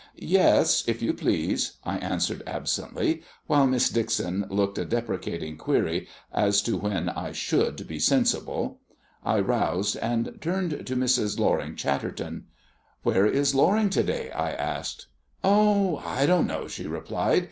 "Yes, if you please," I answered absently, while Miss Dixon looked a deprecating query as to when I should be sensible. I roused, and turned to Mrs. Loring Chatterton. "Where is Loring to day?" I asked. "Oh, I don't know," she replied.